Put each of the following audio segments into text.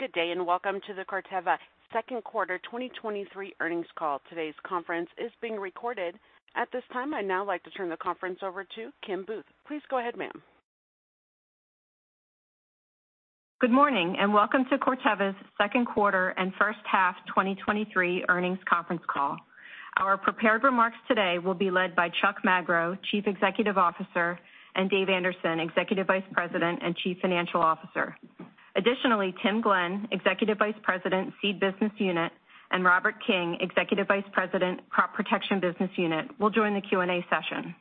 Good day, welcome to the Corteva Second Quarter 2023 Earnings Call. Today's conference is being recorded. At this time, I'd now like to turn the conference over to Kim Booth. Please go ahead, ma'am. Good morning, and welcome to Corteva's second quarter and first-half 2023 earnings conference call. Our prepared remarks today will be led by Chuck Magro, Chief Executive Officer, and Dave Anderson, Executive Vice President and Chief Financial Officer. Additionally, Tim Glenn, Executive Vice President, Seed Business Unit, and Robert King, Executive Vice President, Crop Protection Business Unit, will join the Q&A session.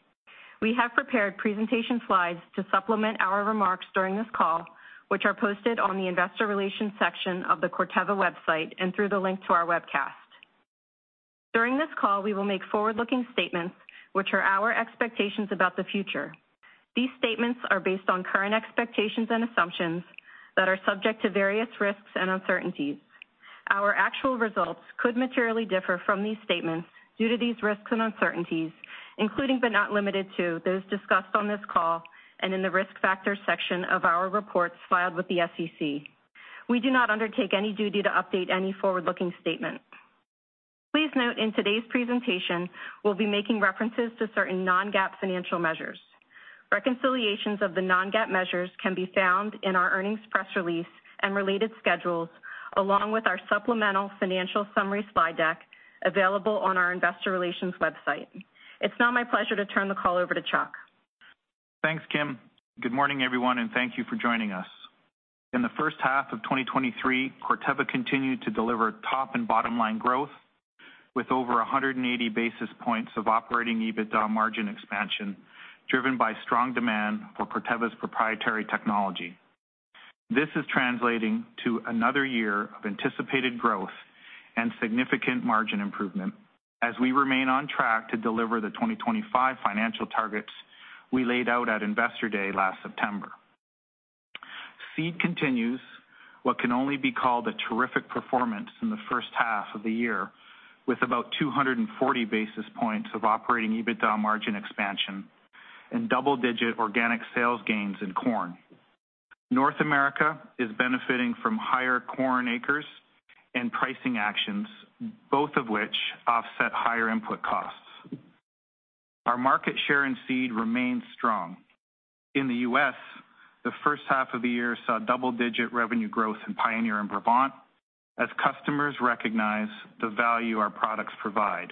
We have prepared presentation slides to supplement our remarks during this call, which are posted on the Investor Relations section of the Corteva website and through the link to our webcast. During this call, we will make forward-looking statements, which are our expectations about the future. These statements are based on current expectations and assumptions that are subject to various risks and uncertainties. Our actual results could materially differ from these statements due to these risks and uncertainties, including, but not limited to, those discussed on this call and in the Risk Factors section of our reports filed with the SEC. We do not undertake any duty to update any forward-looking statement. Please note, in today's presentation, we'll be making references to certain non-GAAP financial measures. Reconciliations of the non-GAAP measures can be found in our earnings press release and related schedules, along with our supplemental financial summary slide deck, available on our Investor Relations website. It's now my pleasure to turn the call over to Chuck. Thanks, Kim. Good morning, everyone, thank you for joining us. In the first half of 2023, Corteva continued to deliver top and bottom-line growth with over 180 basis points of operating EBITDA margin expansion, driven by strong demand for Corteva's proprietary technology. This is translating to another year of anticipated growth and significant margin improvement as we remain on track to deliver the 2025 financial targets we laid out at Investor Day last September. Seed continues what can only be called a terrific performance in the first half of the year, with about 240 basis points of operating EBITDA margin expansion and double-digit organic sales gains in corn. North America is benefiting from higher corn acres and pricing actions, both of which offset higher input costs. Our market share in seed remains strong. In the U.S., the first half of the year saw double-digit revenue growth in Pioneer and Brevant as customers recognize the value our products provide.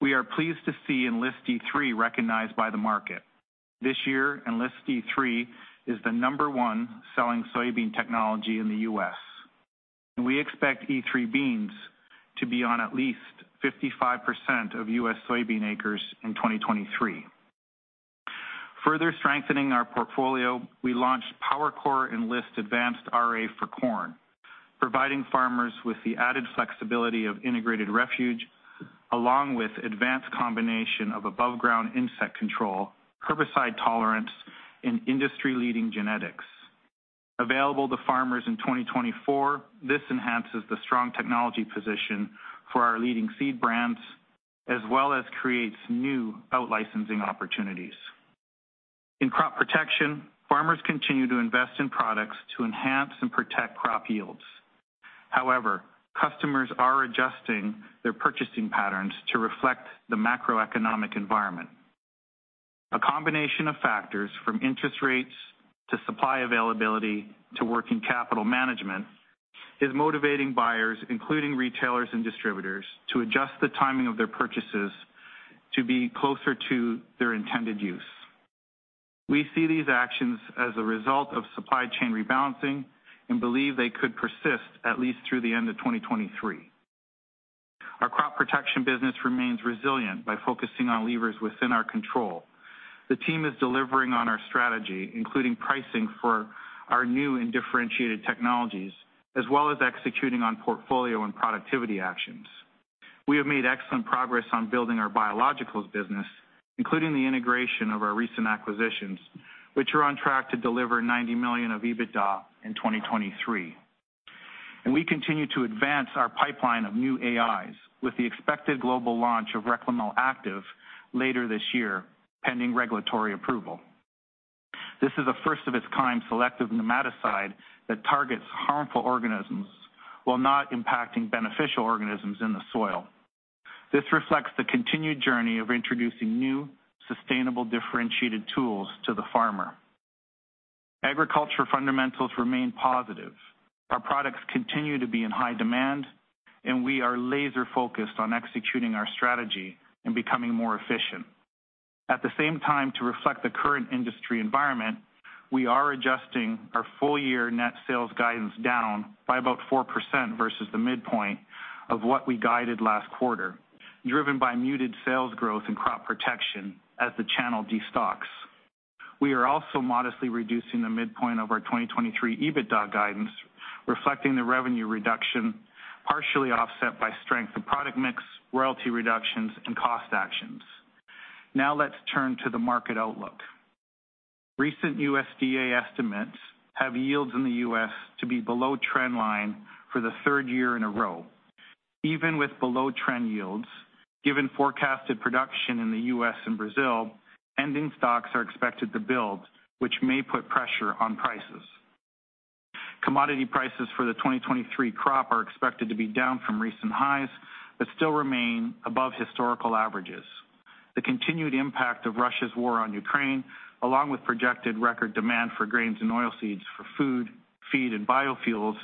We are pleased to see Enlist E3 recognized by the market. This year, Enlist E3 is the number one selling soybean technology in the U.S., and we expect E3 beans to be on at least 55% of U.S. soybean acres in 2023. Further strengthening our portfolio, we launched PowerCore Enlist Refuge Advanced for corn, providing farmers with the added flexibility of integrated Refuge Advanced, along with advanced combination of above-ground insect control, herbicide tolerance, and industry-leading genetics. Available to farmers in 2024, this enhances the strong technology position for our leading seed brands, as well as creates new out-licensing opportunities. In crop protection, farmers continue to invest in products to enhance and protect crop yields. However, customers are adjusting their purchasing patterns to reflect the macroeconomic environment. A combination of factors, from interest rates to supply availability to working capital management, is motivating buyers, including retailers and distributors, to adjust the timing of their purchases to be closer to their intended use. We see these actions as a result of supply chain rebalancing and believe they could persist at least through the end of 2023. Our crop protection business remains resilient by focusing on levers within our control. The team is delivering on our strategy, including pricing for our new and differentiated technologies, as well as executing on portfolio and productivity actions. We have made excellent progress on building our biologicals business, including the integration of our recent acquisitions, which are on track to deliver $90 million of EBITDA in 2023. We continue to advance our pipeline of new AIs with the expected global launch of Reklemel active later this year, pending regulatory approval. This is a first-of-its-kind selective nematicide that targets harmful organisms while not impacting beneficial organisms in the soil. This reflects the continued journey of introducing new, sustainable, differentiated tools to the farmer. Agriculture fundamentals remain positive. Our products continue to be in high demand, and we are laser-focused on executing our strategy and becoming more efficient. At the same time, to reflect the current industry environment, we are adjusting our full-year net sales guidance down by about 4% versus the midpoint of what we guided last quarter, driven by muted sales growth in crop protection as the channel destocks. We are also modestly reducing the midpoint of our 2023 EBITDA guidance, reflecting the revenue reduction, partially offset by strength in product mix, royalty reductions, and cost actions. Let's turn to the market outlook. Recent USDA estimates have yields in the US to be below trend line for the third year in a row. Even with below-trend yields, given forecasted production in the US and Brazil, ending stocks are expected to build, which may put pressure on prices. Commodity prices for the 2023 crop are expected to be down from recent highs, but still remain above historical averages. The continued impact of Russia's war on Ukraine, along with projected record demand for grains and oilseeds for food, feed, and biofuels,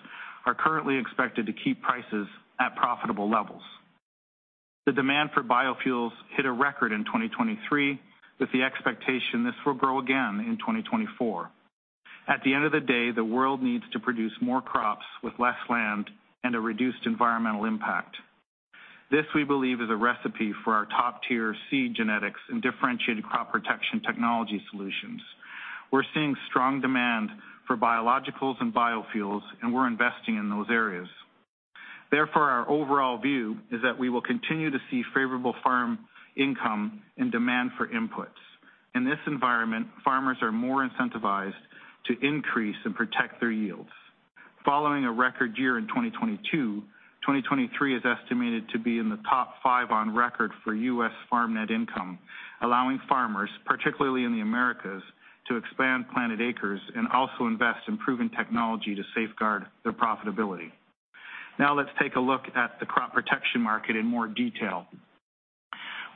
are currently expected to keep prices at profitable levels. The demand for biofuels hit a record in 2023, with the expectation this will grow again in 2024. At the end of the day, the world needs to produce more crops with less land and a reduced environmental impact. This, we believe, is a recipe for our top-tier seed genetics and differentiated crop protection technology solutions. We're seeing strong demand for biologicals and biofuels, and we're investing in those areas. Therefore, our overall view is that we will continue to see favorable farm income and demand for inputs. In this environment, farmers are more incentivized to increase and protect their yields. Following a record year in 2022, 2023 is estimated to be in the top 5 on record for U.S. farm net income, allowing farmers, particularly in the Americas, to expand planted acres and also invest in proven technology to safeguard their profitability. Now let's take a look at the crop protection market in more detail.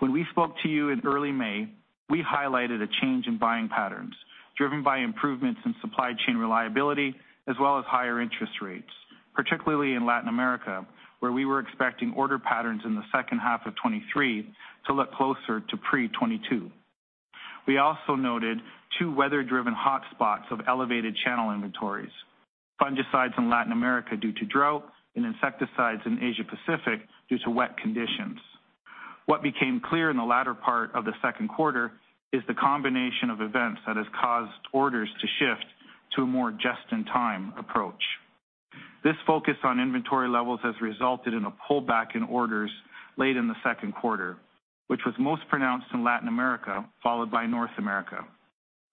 When we spoke to you in early May, we highlighted a change in buying patterns, driven by improvements in supply chain reliability as well as higher interest rates, particularly in Latin America, where we were expecting order patterns in the second half of 2023 to look closer to pre-2022. We also noted two weather-driven hotspots of elevated channel inventories: fungicides in Latin America due to drought and insecticides in Asia Pacific due to wet conditions. What became clear in the latter part of the second quarter is the combination of events that has caused orders to shift to a more just-in-time approach. This focus on inventory levels has resulted in a pullback in orders late in the second quarter, which was most pronounced in Latin America, followed by North America.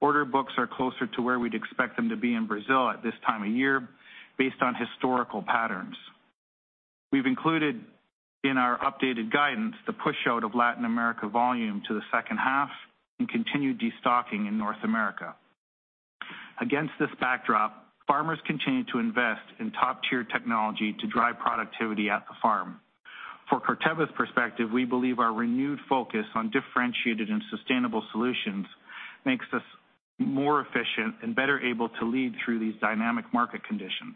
Order books are closer to where we'd expect them to be in Brazil at this time of year, based on historical patterns. We've included in our updated guidance, the pushout of Latin America volume to the second half and continued destocking in North America. Against this backdrop, farmers continue to invest in top-tier technology to drive productivity at the farm. For Corteva's perspective, we believe our renewed focus on differentiated and sustainable solutions makes us more efficient and better able to lead through these dynamic market conditions.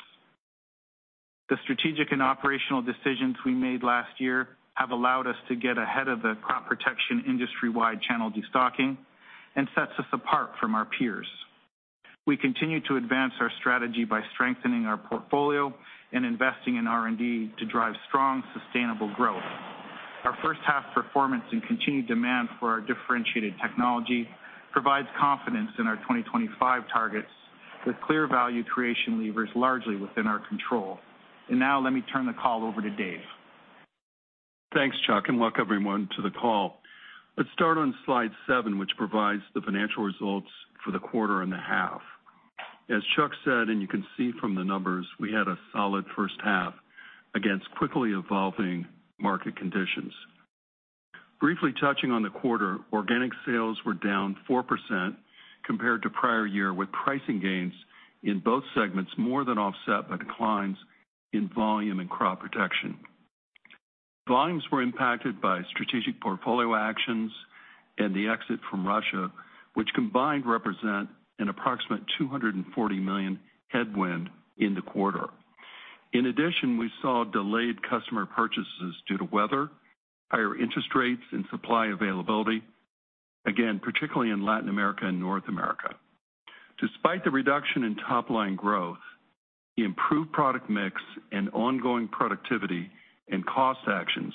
The strategic and operational decisions we made last year have allowed us to get ahead of the crop protection industry-wide channel destocking and sets us apart from our peers. We continue to advance our strategy by strengthening our portfolio and investing in R&D to drive strong, sustainable growth. Our first half performance and continued demand for our differentiated technology provides confidence in our 2025 targets, with clear value creation levers largely within our control. Now, let me turn the call over to Dave. Thanks, Chuck. Welcome everyone to the call. Let's start on slide 7, which provides the financial results for the quarter and the half. As Chuck said, and you can see from the numbers, we had a solid first half against quickly evolving market conditions. Briefly touching on the quarter, organic sales were down 4% compared to prior year, with pricing gains in both segments more than offset by declines in volume and crop protection. Volumes were impacted by strategic portfolio actions and the exit from Russia, which combined represent an approximate $240 million headwind in the quarter. In addition, we saw delayed customer purchases due to weather, higher interest rates, and supply availability, again, particularly in Latin America and North America. Despite the reduction in top-line growth, the improved product mix and ongoing productivity and cost actions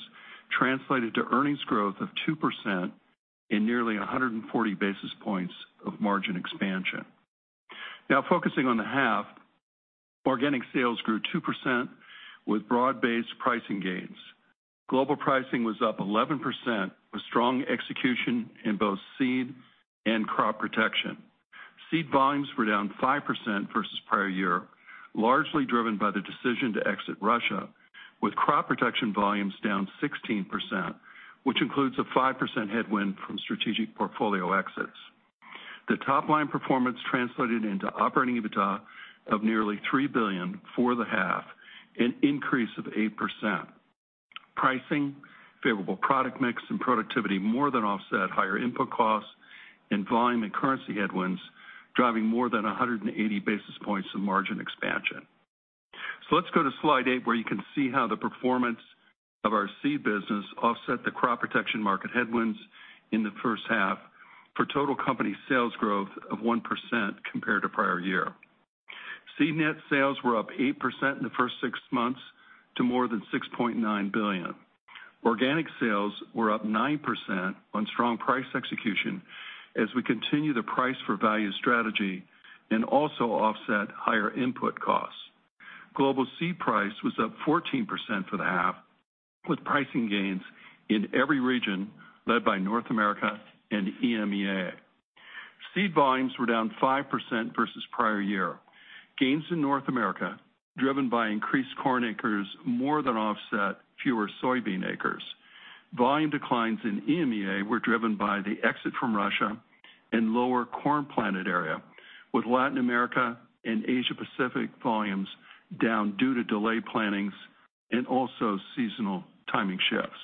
translated to earnings growth of 2% and nearly 140 basis points of margin expansion. Now, focusing on the half, organic sales grew 2% with broad-based pricing gains. Global pricing was up 11%, with strong execution in both seed and Crop Protection. Seed volumes were down 5% versus prior year, largely driven by the decision to exit Russia, with Crop Protection volumes down 16%, which includes a 5% headwind from strategic portfolio exits. The top-line performance translated into operating EBITDA of nearly $3 billion for the half, an increase of 8%. Pricing, favorable product mix, and productivity more than offset higher input costs and volume and currency headwinds, driving more than 180 basis points of margin expansion. Let's go to slide eight, where you can see how the performance of our seed business offset the crop protection market headwinds in the first half for total company sales growth of 1% compared to prior year. Seed net sales were up 8% in the first six months to more than $6.9 billion. Organic sales were up 9% on strong price execution as we continue the price for value strategy and also offset higher input costs. Global seed price was up 14% for the half, with pricing gains in every region, led by North America and EMEA. Seed volumes were down 5% versus prior year. Gains in North America, driven by increased corn acres, more than offset fewer soybean acres. Volume declines in EMEA were driven by the exit from Russia and lower corn planted area, with Latin America and Asia Pacific volumes down due to delayed plantings and also seasonal timing shifts.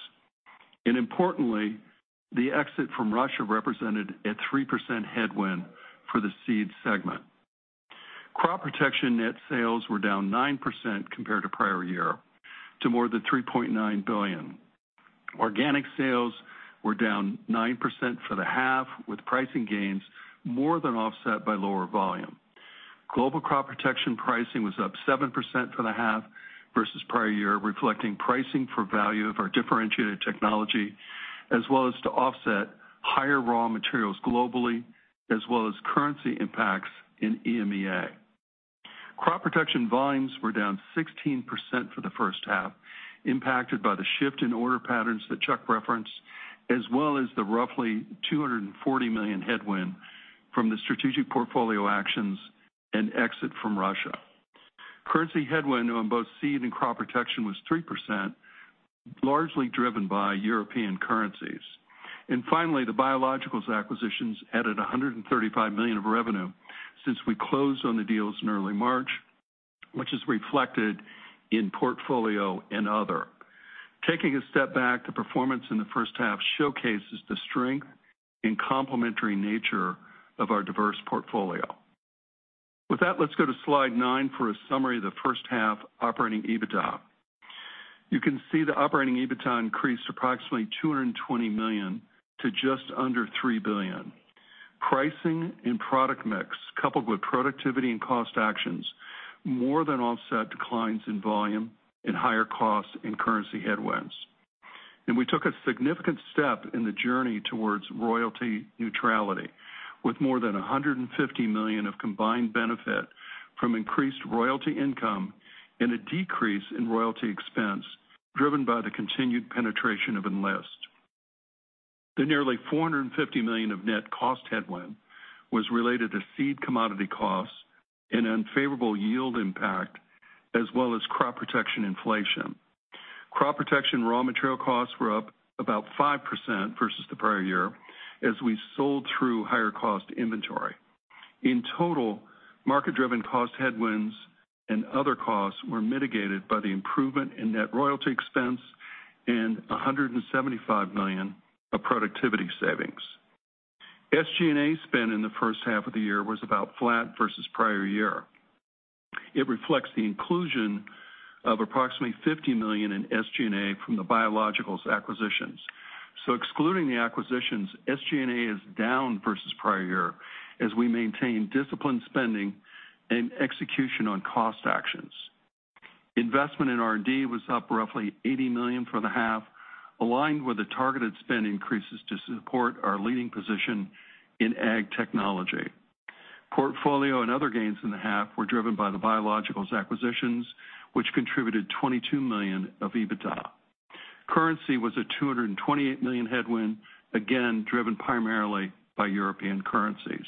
Importantly, the exit from Russia represented a 3% headwind for the seed segment. Crop Protection net sales were down 9% compared to prior year to more than $3.9 billion. Organic sales were down 9% for the half, with pricing gains more than offset by lower volume. Global Crop Protection pricing was up 7% for the half versus prior year, reflecting pricing for value of our differentiated technology, as well as to offset higher raw materials globally, as well as currency impacts in EMEA. Crop Protection volumes were down 16% for the first half, impacted by the shift in order patterns that Chuck referenced, as well as the roughly $240 million headwind from the strategic portfolio actions and exit from Russia. Currency headwind on both seed and Crop Protection was 3%, largely driven by European currencies. Finally, the biologicals acquisitions added $135 million of revenue since we closed on the deals in early March, which is reflected in portfolio and other. Taking a step back, the performance in the first half showcases the strength and complementary nature of our diverse portfolio. With that, let's go to slide 9 for a summary of the first half operating EBITDA. You can see the operating EBITDA increased approximately $220 million to just under $3 billion. Pricing and product mix, coupled with productivity and cost actions, more than offset declines in volume and higher costs and currency headwinds. We took a significant step in the journey towards royalty neutrality, with more than $150 million of combined benefit from increased royalty income and a decrease in royalty expense, driven by the continued penetration of Enlist. The nearly $450 million of net cost headwind was related to seed commodity costs and unfavorable yield impact, as well as Crop Protection inflation. Crop Protection raw material costs were up about 5% versus the prior year as we sold through higher cost inventory. In total, market-driven cost headwinds and other costs were mitigated by the improvement in net royalty expense and $175 million of productivity savings. SG&A spend in the first half of the year was about flat versus prior year. It reflects the inclusion of approximately $50 million in SG&A from the biologicals acquisitions. Excluding the acquisitions, SG&A is down versus prior year as we maintain disciplined spending and execution on cost actions. Investment in R&D was up roughly $80 million for the half, aligned with the targeted spend increases to support our leading position in ag technology. Portfolio and other gains in the half were driven by the biologicals acquisitions, which contributed $22 million of EBITDA. Currency was a $228 million headwind, again, driven primarily by European currencies.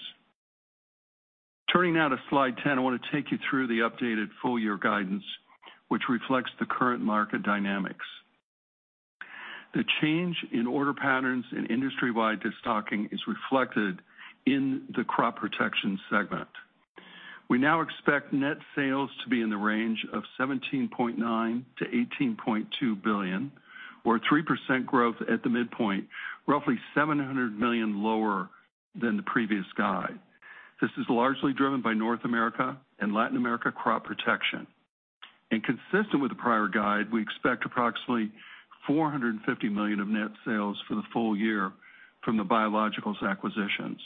Turning now to slide 10, I want to take you through the updated full year guidance, which reflects the current market dynamics. The change in order patterns and industry-wide destocking is reflected in the Crop Protection segment. We now expect net sales to be in the range of $17.9 billion-$18.2 billion, or a 3% growth at the midpoint, roughly $700 million lower than the previous guide. This is largely driven by North America and Latin America Crop Protection. Consistent with the prior guide, we expect approximately $450 million of net sales for the full year from the biologicals acquisitions.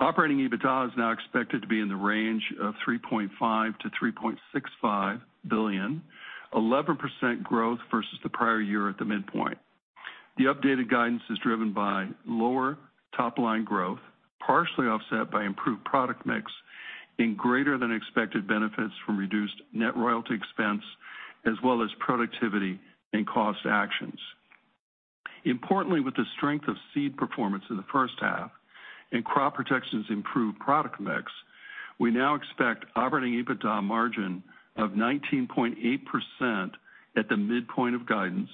Operating EBITDA is now expected to be in the range of $3.5 billion-$3.65 billion, 11% growth versus the prior year at the midpoint. The updated guidance is driven by lower top-line growth, partially offset by improved product mix and greater than expected benefits from reduced net royalty expense, as well as productivity and cost actions. Importantly, with the strength of Seed performance in the first half and Crop Protection's improved product mix, we now expect operating EBITDA margin of 19.8% at the midpoint of guidance,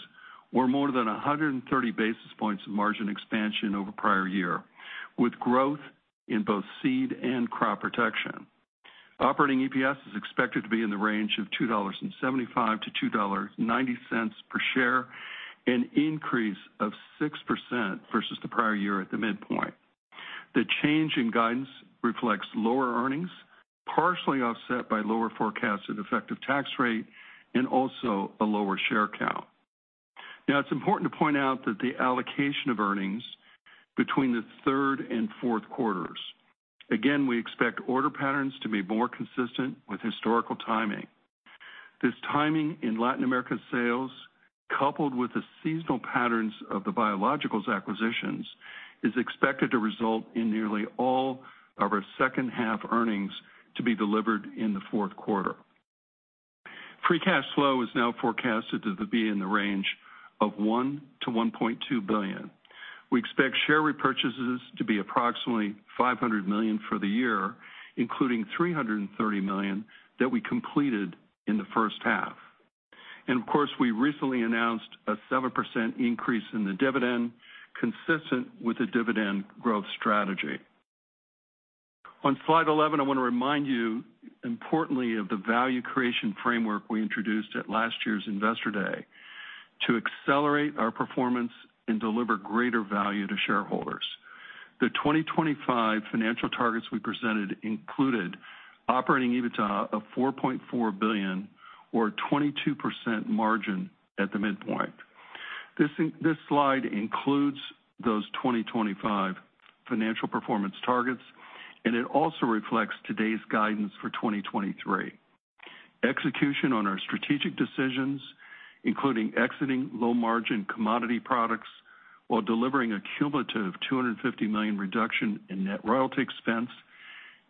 or more than 130 basis points of margin expansion over prior year, with growth in both Seed and Crop Protection. Operating EPS is expected to be in the range of $2.75-$2.90 per share, an increase of 6% versus the prior year at the midpoint. The change in guidance reflects lower earnings, partially offset by lower forecasted effective tax rate and also a lower share count. It's important to point out that the allocation of earnings between the third and fourth quarters. We expect order patterns to be more consistent with historical timing. This timing in Latin America sales, coupled with the seasonal patterns of the biologicals acquisitions, is expected to result in nearly all of our second-half earnings to be delivered in the fourth quarter. Free cash flow is now forecasted to be in the range of $1 billion-$1.2 billion. We expect share repurchases to be approximately $500 million for the year, including $330 million that we completed in the first half. Of course, we recently announced a 7% increase in the dividend, consistent with the dividend growth strategy. On slide 11, I want to remind you importantly of the Value Creation Framework we introduced at last year's Investor Day to accelerate our performance and deliver greater value to shareholders. The 2025 financial targets we presented included operating EBITDA of $4.4 billion or a 22% margin at the midpoint. This slide includes those 2025 financial performance targets, and it also reflects today's guidance for 2023. Execution on our strategic decisions, including exiting low-margin commodity products while delivering a cumulative $250 million reduction in net royalty expense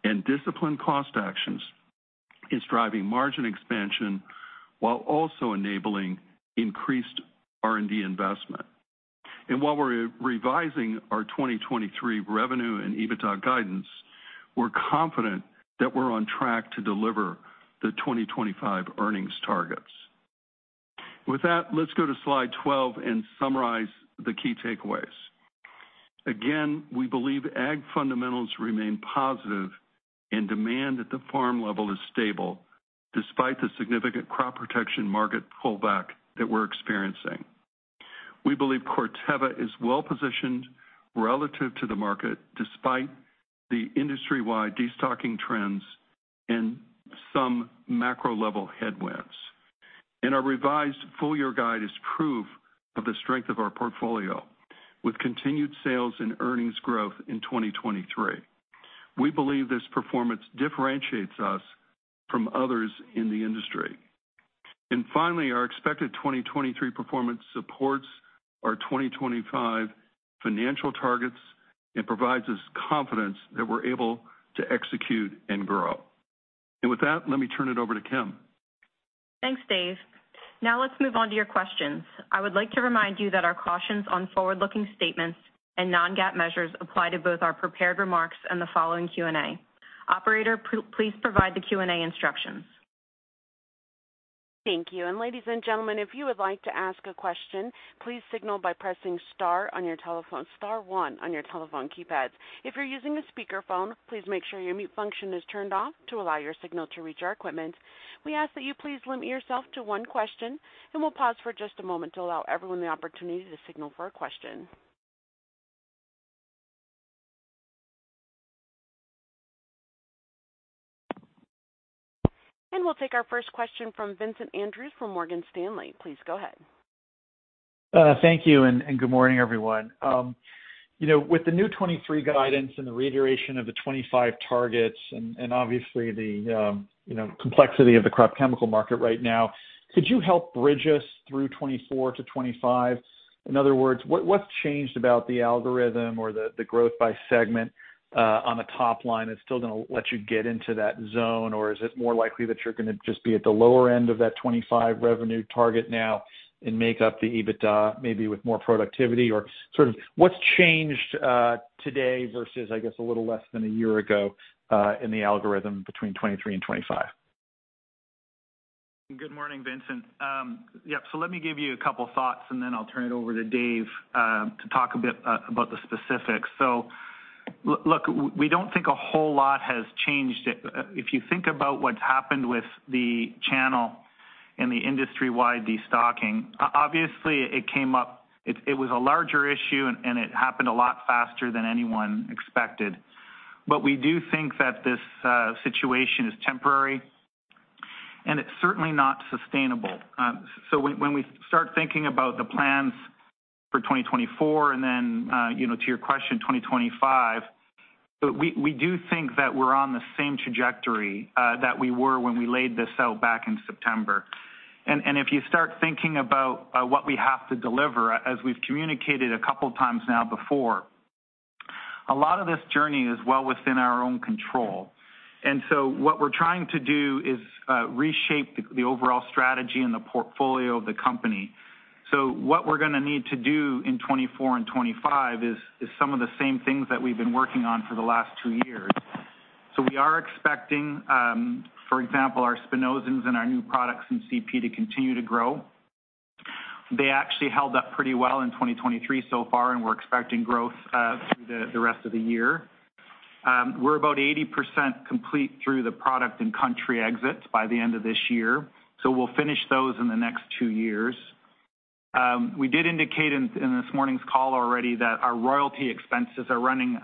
and disciplined cost actions, is driving margin expansion while also enabling increased R&D investment. While we're revising our 2023 revenue and EBITDA guidance, we're confident that we're on track to deliver the 2025 earnings targets. With that, let's go to slide 12 and summarize the key takeaways. Again, we believe ag fundamentals remain positive and demand at the farm level is stable despite the significant crop protection market pullback that we're experiencing. We believe Corteva is well-positioned relative to the market, despite the industry-wide destocking trends and some macro-level headwinds. Our revised full-year guide is proof of the strength of our portfolio, with continued sales and earnings growth in 2023. We believe this performance differentiates us from others in the industry. Finally, our expected 2023 performance supports our 2025 financial targets and provides us confidence that we're able to execute and grow. With that, let me turn it over to Kim. Thanks, Dave. Now let's move on to your questions. I would like to remind you that our cautions on forward-looking statements and non-GAAP measures apply to both our prepared remarks and the following Q&A. Operator, please provide the Q&A instructions. Thank you. Ladies and gentlemen, if you would like to ask a question, please signal by pressing star on your telephone, star one on your telephone keypads. If you're using a speakerphone, please make sure your mute function is turned off to allow your signal to reach our equipment. We ask that you please limit yourself to one question, and we'll pause for just a moment to allow everyone the opportunity to signal for a question. We'll take our first question from Vincent Andrews from Morgan Stanley. Please go ahead. Thank you, and good morning, everyone. You know, with the new 2023 guidance and the reiteration of the 2025 targets and obviously the, you know, complexity of the crop chemical market right now, could you help bridge us through 2024 to 2025? In other words, what's changed about the algorithm or the growth by segment on the top line that's still going to let you get into that zone? Or is it more likely that you're going to just be at the lower end of that 2025 revenue target now and make up the EBITDA maybe with more productivity? Or sort of what's changed today versus, I guess, a little less than a year ago in the algorithm between 2023 and 2025? Good morning, Vincent. Yep. Let me give you a couple thoughts, and then I'll turn it over to Dave to talk a bit about the specifics. Look, we don't think a whole lot has changed. If you think about what's happened with the channel and the industry-wide destocking, obviously, it came up, it was a larger issue, and it happened a lot faster than anyone expected. We do think that this situation is temporary, and it's certainly not sustainable. When we start thinking about the plans for 2024 and then, you know, to your question, 2025, we do think that we're on the same trajectory that we were when we laid this out back in September. If you start thinking about what we have to deliver, as we've communicated a couple of times now before, a lot of this journey is well within our own control. What we're trying to do is reshape the overall strategy and the portfolio of the company. What we're going to need to do in 2024 and 2025 is some of the same things that we've been working on for the last 2 years. We are expecting, for example, our spinosyns and our new products in CP to continue to grow. They actually held up pretty well in 2023 so far, and we're expecting growth through the rest of the year. We're about 80% complete through the product and country exits by the end of this year. We'll finish those in the next 2 years. We did indicate in, in this morning's call already that our royalty expenses are running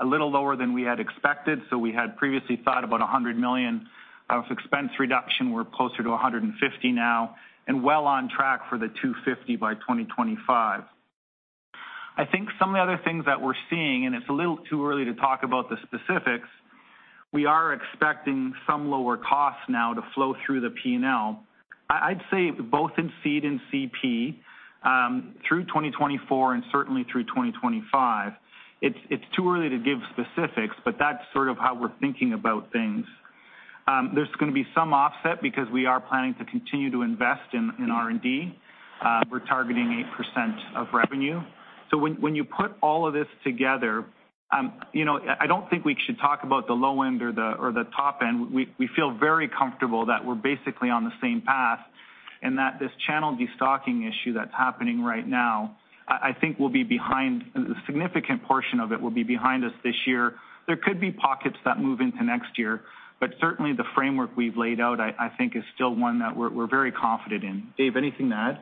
a little lower than we had expected. We had previously thought about $100 million of expense reduction. We're closer to $150 now and well on track for the $250 by 2025. I think some of the other things that we're seeing, and it's a little too early to talk about the specifics, we are expecting some lower costs now to flow through the P&L. I, I'd say both in seed and CP through 2024 and certainly through 2025. It's, it's too early to give specifics, but that's sort of how we're thinking about things. There's gonna be some offset because we are planning to continue to invest in, in R&D. We're targeting 8% of revenue. When, when you put all of this together, you know, I don't think we should talk about the low end or the, or the top end. We, we feel very comfortable that we're basically on the same path, and that this channel destocking issue that's happening right now, I, I think will be behind a significant portion of it will be behind us this year. There could be pockets that move into next year, but certainly, the framework we've laid out, I, I think, is still one that we're, we're very confident in. Dave, anything to add?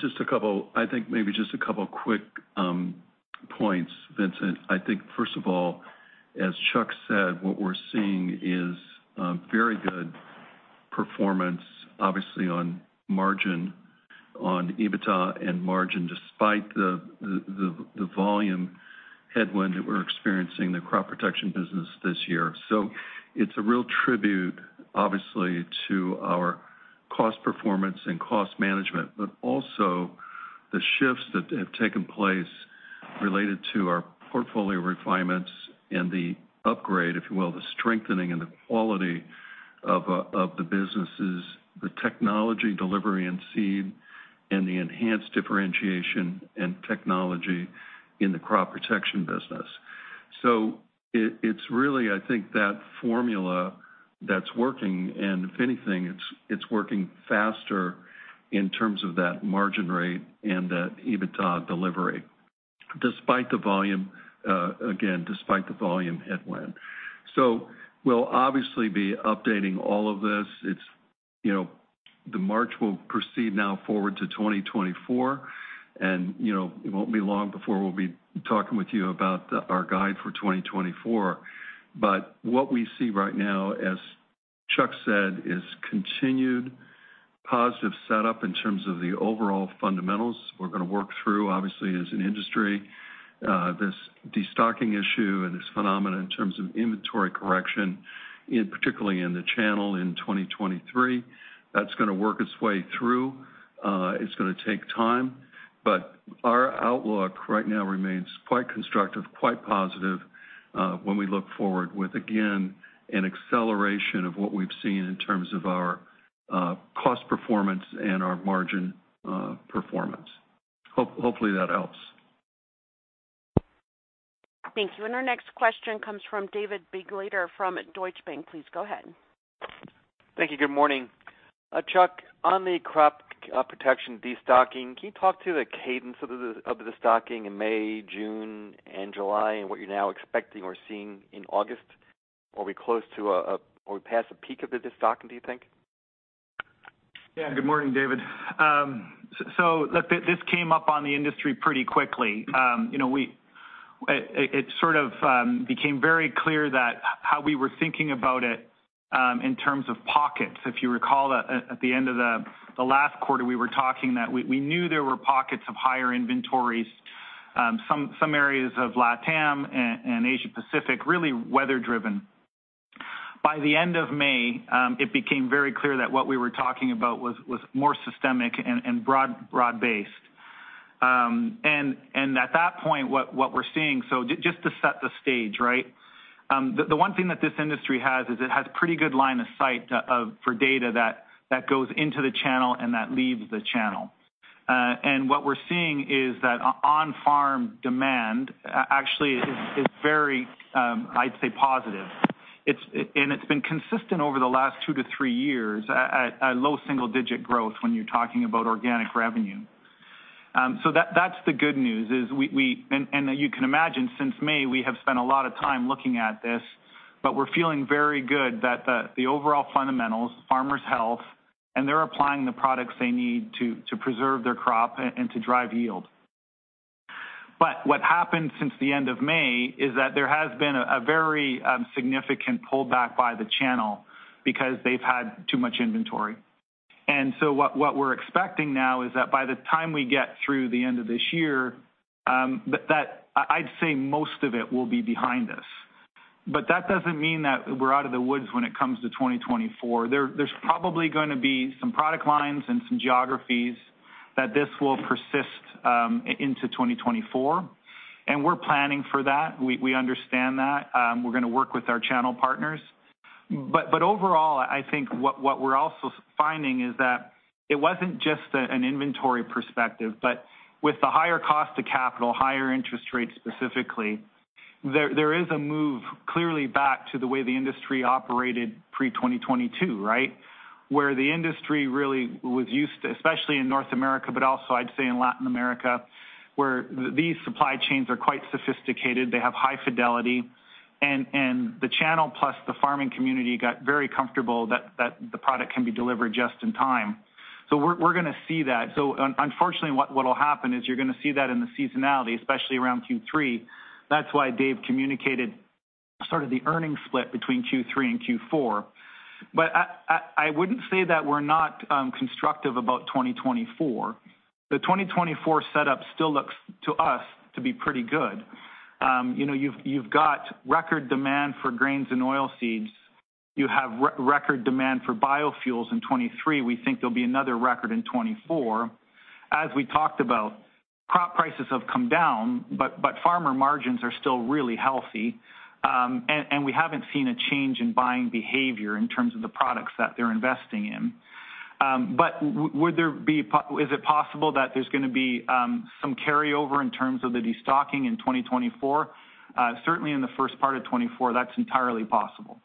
Just a couple. I think maybe just a couple of quick points, Vincent. I think first of all, as Chuck said, what we're seeing is very good performance, obviously, on margin, on EBITDA and margin, despite the volume headwind that we're experiencing in the Crop Protection business this year. It's a real tribute, obviously, to our cost performance and cost management, but also the shifts that have taken place related to our portfolio refinements and the upgrade, if you will, the strengthening and the quality of the businesses, the technology delivery and seed, and the enhanced differentiation and technology in the Crop Protection business. It, it's really, I think, that formula that's working, and if anything, it's, it's working faster in terms of that margin rate and that EBITDA delivery, despite the volume, again, despite the volume headwind. We'll obviously be updating all of this. It's, you know. The March will proceed now forward to 2024, and, you know, it won't be long before we'll be talking with you about our guide for 2024. What we see right now, as Chuck said, is continued positive setup in terms of the overall fundamentals. We're gonna work through, obviously, as an industry, this destocking issue and this phenomenon in terms of inventory correction, in particularly in the channel in 2023. That's gonna work its way through. It's gonna take time, but our outlook right now remains quite constructive, quite positive, when we look forward with, again, an acceleration of what we've seen in terms of our cost performance and our margin performance. Hopefully, that helps. Thank you. Our next question comes from David Begleiter from Deutsche Bank. Please go ahead. Thank you. Good morning. Chuck, on the crop protection destocking, can you talk to the cadence of the, of the stocking in May, June, and July, and what you're now expecting or seeing in August? Are we close to, or we're past the peak of the destocking, do you think? Yeah. Good morning, David. This came up on the industry pretty quickly. You know, we it, it sort of became very clear that how we were thinking about it in terms of pockets. If you recall, at, at the end of the, the last quarter, we were talking that we, we knew there were pockets of higher inventories, some, some areas of LatAm and, and Asia Pacific, really weather-driven. By the end of May, it became very clear that what we were talking about was, was more systemic and, and broad, broad-based. At that point, what, what we're seeing, just to set the stage, right? The, the one thing that this industry has is it has pretty good line of sight for data that, that goes into the channel and that leaves the channel. What we're seeing is that on-farm demand actually is very, I'd say, positive. It's been consistent over the last 2 to 3 years, at low single-digit growth when you're talking about organic revenue. That's the good news, is we, and you can imagine, since May, we have spent a lot of time looking at this, but we're feeling very good that the overall fundamentals, farmers' health, and they're applying the products they need to preserve their crop and to drive yield. What happened since the end of May is that there has been a very significant pullback by the channel because they've had too much inventory. What we're expecting now is that by the time we get through the end of this year... I'd say most of it will be behind us. That doesn't mean that we're out of the woods when it comes to 2024. There, there's probably gonna be some product lines and some geographies that this will persist into 2024, and we're planning for that. We, we understand that. We're gonna work with our channel partners. Overall, I think what, what we're also finding is that it wasn't just an, an inventory perspective, but with the higher cost of capital, higher interest rates specifically, there, there is a move clearly back to the way the industry operated pre-2022, right? Where the industry really was used to, especially in North America, but also I'd say in Latin America, where these supply chains are quite sophisticated, they have high fidelity, and, and the channel plus the farming community got very comfortable that, that the product can be delivered just in time. We're, we're gonna see that. Unfortunately, what, what will happen is you're gonna see that in the seasonality, especially around Q3. That's why Dave communicated sort of the earnings split between Q3 and Q4. I wouldn't say that we're not constructive about 2024. The 2024 setup still looks, to us, to be pretty good. You know, you've, you've got record demand for grains and oilseeds. you have record demand for biofuels in 2023. We think there'll be another record in 2024. As we talked about, crop prices have come down, but farmer margins are still really healthy. We haven't seen a change in buying behavior in terms of the products that they're investing in. Is it possible that there's gonna be some carryover in terms of the destocking in 2024? Certainly in the first part of 2024, that's entirely possible.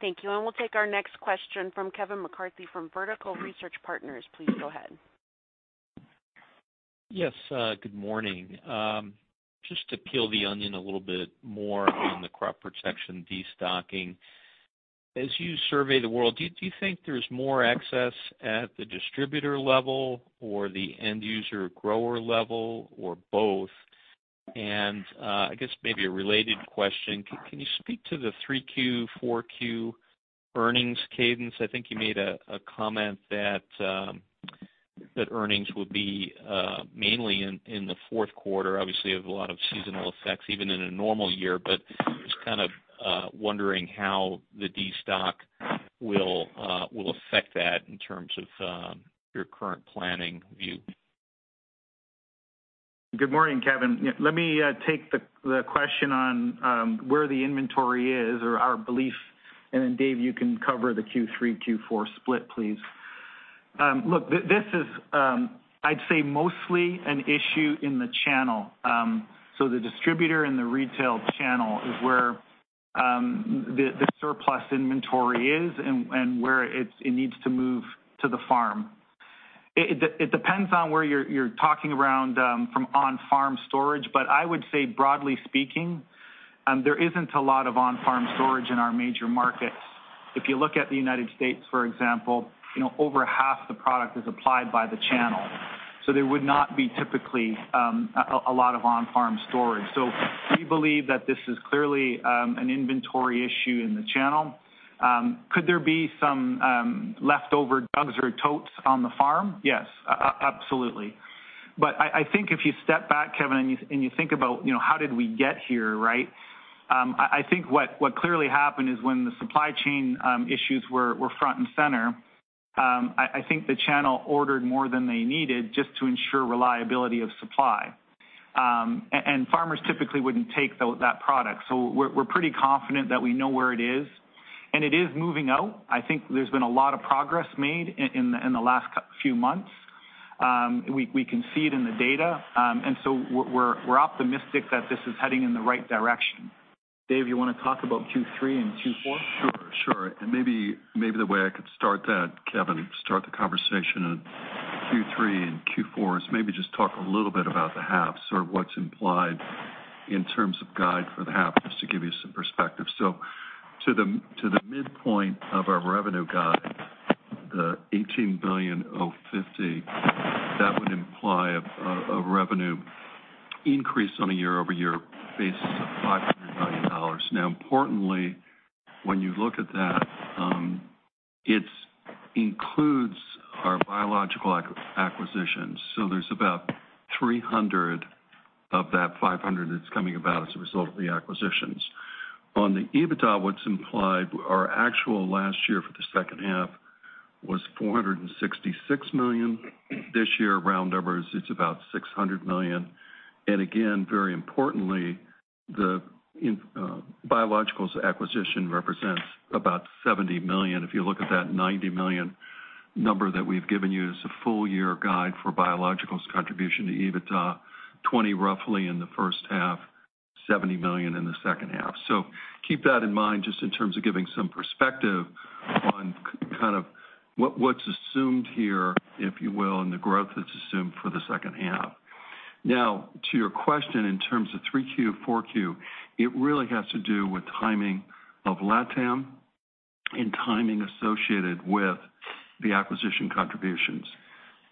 Thank you. We'll take our next question from Kevin McCarthy from Vertical Research Partners. Please go ahead. Yes, good morning. Just to peel the onion a little bit more on the crop protection destocking, as you survey the world, do you, do you think there's more excess at the distributor level or the end user grower level, or both? I guess maybe a related question, can you speak to the 3Q, 4Q earnings cadence? I think you made a comment that earnings would be mainly in the fourth quarter. Obviously, you have a lot of seasonal effects, even in a normal year, but just kind of wondering how the destock will affect that in terms of your current planning view. Good morning, Kevin. Yeah, let me take the question on where the inventory is or our belief, and then Dave, you can cover the Q3, Q4 split, please. Look, this is, I'd say, mostly an issue in the channel. So the distributor and the retail channel is where the surplus inventory is and where it needs to move to the farm. It depends on where you're talking around from on-farm storage, but I would say, broadly speaking, there isn't a lot of on-farm storage in our major markets. If you look at the United States, for example, you know, over half the product is applied by the channel, so there would not be typically a lot of on-farm storage. We believe that this is clearly an inventory issue in the channel. Could there be some leftover jugs or totes on the farm? Yes, absolutely. I think if you step back, Kevin, and you and you think about, you know, how did we get here, right? I think what clearly happened is when the supply chain issues were front and center, I think the channel ordered more than they needed just to ensure reliability of supply. Farmers typically wouldn't take that product, we're pretty confident that we know where it is, and it is moving out. I think there's been a lot of progress made in the last few months. We can see it in the data. We're, we're optimistic that this is heading in the right direction. Dave, you want to talk about Q3 and Q4? Sure, sure. Maybe, maybe the way I could start that, Kevin, start the conversation on Q3 and Q4 is maybe just talk a little bit about the halves, or what's implied in terms of guide for the half, just to give you some perspective. To the, to the midpoint of our revenue guide, the $18.05 billion, that would imply a revenue increase on a year-over-year basis of $500 million. Now, importantly, when you look at that, it includes our biologicals acquisitions, so there's about $300 of that $500 that's coming about as a result of the acquisitions. On the EBITDA, what's implied, our actual last year for the second half was $466 million. This year, round numbers, it's about $600 million. Again, very importantly, the biologicals acquisition represents about $70 million. If you look at that $90 million number that we've given you as a full-year guide for biologicals contribution to EBITDA, $20 million roughly in the first half, $70 million in the second half. Keep that in mind just in terms of giving some perspective on kind of what, what's assumed here, if you will, and the growth that's assumed for the second half. To your question, in terms of 3Q, 4Q, it really has to do with timing of LatAm and timing associated with the acquisition contributions.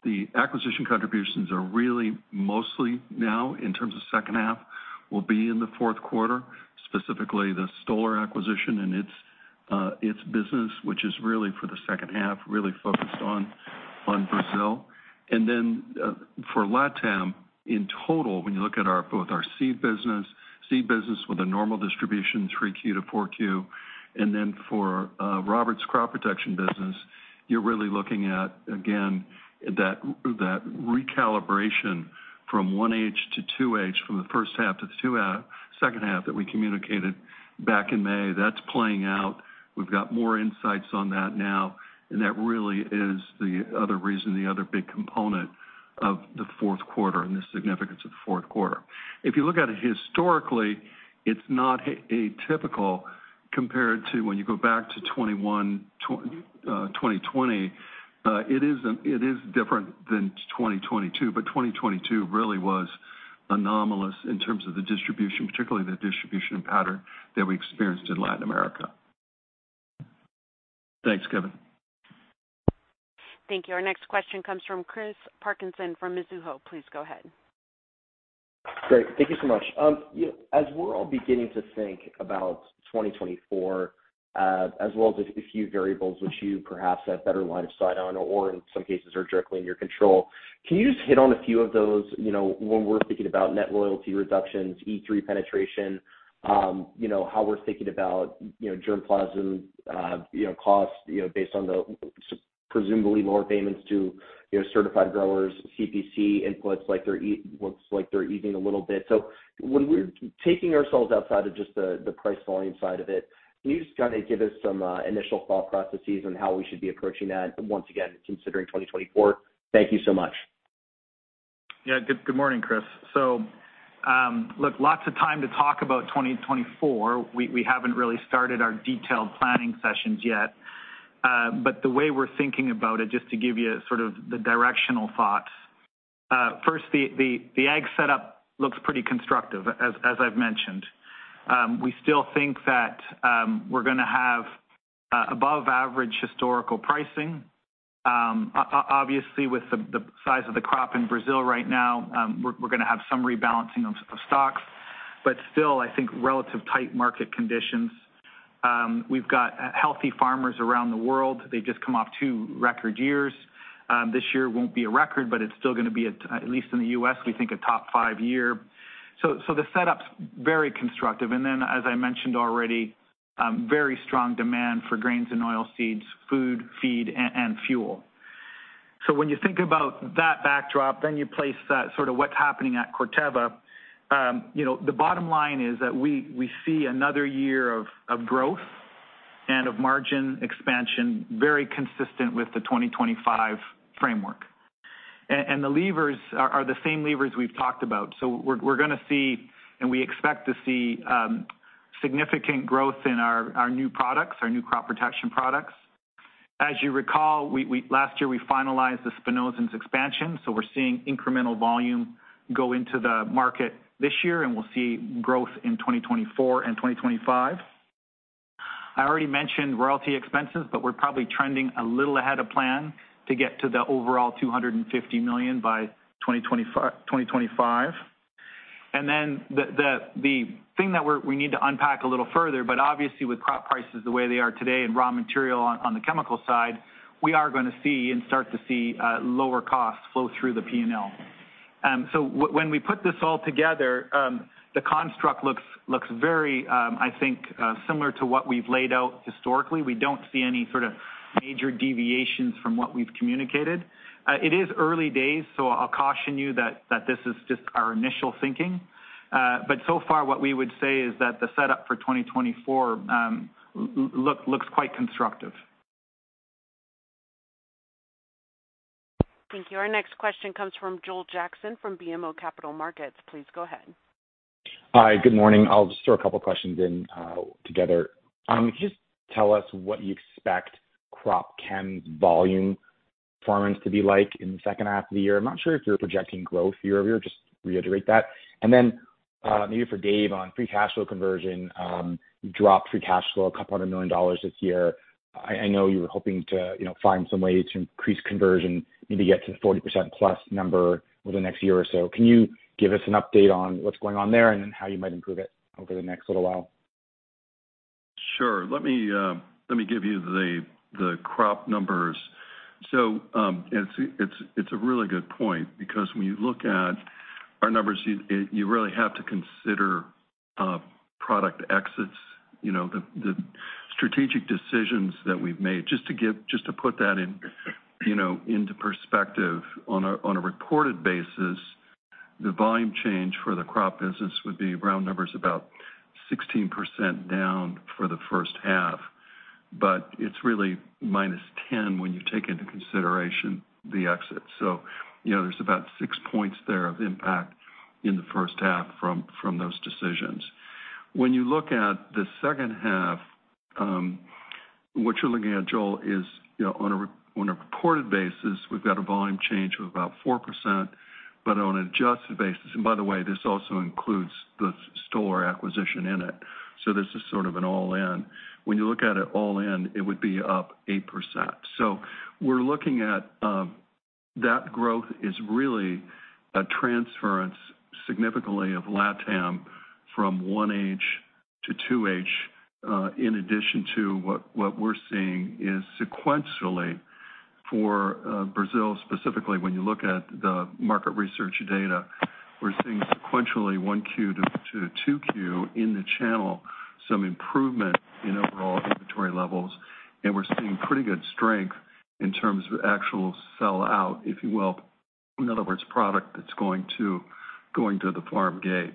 The acquisition contributions are really mostly now, in terms of second half, will be in the fourth quarter, specifically the Stoller acquisition and its business, which is really for the second half, really focused on, on Brazil. For LatAm, in total, when you look at our, both our seed business, seed business with a normal distribution, 3Q to 4Q, and then for Robert's Crop Protection Business, you're really looking at, again, that, that recalibration from 1H to 2H, from the first half to the second half that we communicated back in May. That's playing out. We've got more insights on that now, and that really is the other reason, the other big component of the fourth quarter and the significance of the fourth quarter. If you look at it historically, it's not atypical compared to when you go back to 2021, 2020. It is, it is different than 2022, but 2022 really was anomalous in terms of the distribution, particularly the distribution pattern that we experienced in Latin America. Thanks, Kevin. Thank you. Our next question comes from Chris Parkinson from Mizuho. Please go ahead. Great. Thank you so much. You, as we're all beginning to think about 2024, as well as a few variables which you perhaps have better line of sight on or in some cases are directly in your control, can you just hit on a few of those, you know, when we're thinking about net royalty reductions, E3 penetration, you know, how we're thinking about, you know, germplasm, costs, you know, based on the presumably lower payments to, you know, certified growers, CPC inputs, like they're looks like they're easing a little bit? When we're taking ourselves outside of just the price volume side of it, can you just kind of give us some initial thought processes on how we should be approaching that, once again, considering 2024? Thank you so much. Yeah, good, good morning, Chris. Look, lots of time to talk about 2024. We, we haven't really started our detailed planning sessions yet, but the way we're thinking about it, just to give you sort of the directional thoughts. First, the, the, the ag setup looks pretty constructive, as, as I've mentioned. We still think that we're gonna have above average historical pricing. Obviously, with the, the size of the crop in Brazil right now, we're, we're gonna have some rebalancing of, of stocks, but still, I think, relative tight market conditions. We've got healthy farmers around the world. They've just come off 2 record years. This year won't be a record, but it's still gonna be, at, at least in the U.S., we think, a top 5 year. The setup's very constructive. As I mentioned already, very strong demand for grains and oilseeds, food, feed, and fuel. When you think about that backdrop, then you place that sort of what's happening at Corteva, you know, the bottom line is that we, we see another year of, of growth and of margin expansion, very consistent with the 2025 framework. The levers are, are the same levers we've talked about. We're, we're gonna see, and we expect to see, significant growth in our, our new products, our new crop protection products. As you recall, we last year, we finalized the spinosyns expansion, so we're seeing incremental volume go into the market this year, and we'll see growth in 2024 and 2025. I already mentioned royalty expenses, we're probably trending a little ahead of plan to get to the overall $250 million by 2025. Then the thing that we need to unpack a little further, but obviously, with crop prices the way they are today, and raw material on the chemical side, we are gonna see and start to see lower costs flow through the P&L. When we put this all together, the construct looks very, I think, similar to what we've laid out historically. We don't see any sort of major deviations from what we've communicated. It is early days, I'll caution you that this is just our initial thinking. So far, what we would say is that the setup for 2024, looks, looks quite constructive. Thank you. Our next question comes from Joel Jackson from BMO Capital Markets. Please go ahead. Hi, good morning. I'll just throw a couple of questions in together. Can you just tell us what you expect crop chem's volume performance to be like in the second half of the year? I'm not sure if you're projecting growth year-over-year. Just reiterate that. Maybe for Dave, on free cash flow conversion, you dropped free cash flow $200 million this year. I, I know you were hoping to, you know, find some way to increase conversion, maybe get to the 40%+ number over the next year or so. Can you give us an update on what's going on there and then how you might improve it over the next little while? Sure. Let me, let me give you the, the crop numbers. And it's, it's a really good point because when you look at our numbers, you, you really have to consider product exits, you know, the, the strategic decisions that we've made. Just to give-- just to put that in, you know, into perspective, on a, on a reported basis, the volume change for the crop business would be, round numbers, about 16% down for the first half, but it's really -10 when you take into consideration the exits. You know, there's about 6 points there of impact in the first half from, from those decisions. When you look at the second half, what you're looking at, Joel, is, you know, on a re- on a reported basis, we've got a volume change of about 4%, but on an adjusted basis... By the way, this also includes the Stoller acquisition in it, so this is sort of an all-in. When you look at it all in, it would be up 8%. We're looking at that growth is really a transference, significantly, of LatAm from 1H to 2H, in addition to what, what we're seeing is sequentially for Brazil, specifically, when you look at the market research data, we're seeing sequentially 1Q to 2Q in the channel, some improvement in overall inventory levels, and we're seeing pretty good strength in terms of actual sell-out, if you will. In other words, product that's going to the farm gate.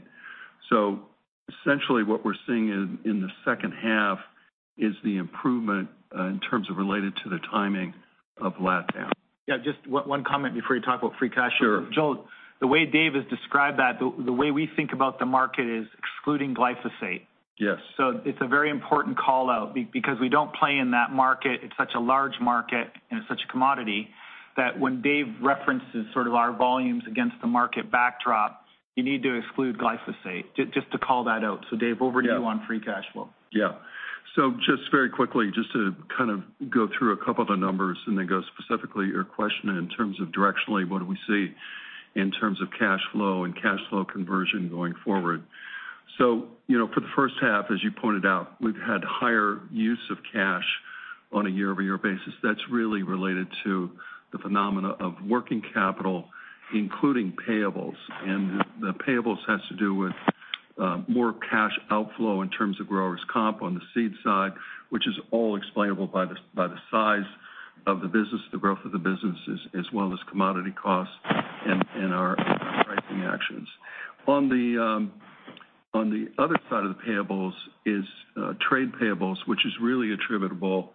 Essentially, what we're seeing in, in the second half is the improvement in terms of related to the timing of LatAm. Yeah, just one, one comment before you talk about free cash flow. Sure. Joel, the way Dave has described that, the way we think about the market is excluding glyphosate. Yes. It's a very important call-out because we don't play in that market. It's such a large market, and it's such a commodity, that when Dave references sort of our volumes against the market backdrop, you need to exclude glyphosate, just to call that out. Dave, over to you on free cash flow. Yeah. Just very quickly, just to kind of go through a couple of the numbers and then go specifically your question in terms of directionally, what do we see in terms of cash flow and cash flow conversion going forward? You know, for the first half, as you pointed out, we've had higher use of cash on a year-over-year basis. That's really related to the phenomena of working capital, including payables. The payables has to do with more cash outflow in terms of growers comp on the seed side, which is all explainable by the, by the size of the business, the growth of the businesses, as well as commodity costs and, and our pricing actions. On the on the other side of the payables is trade payables, which is really attributable